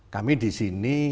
kami di sini